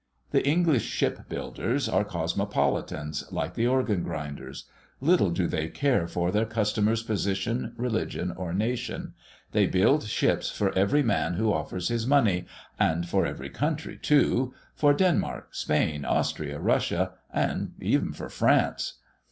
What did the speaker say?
The English shipbuilders are cosmopolitans, like the organ grinders. Little do they care for their customers' position, religion, or nation; they build ships for every man who offers his money, and for every country, too, for Denmark, Spain, Austria, Russia, and even for France.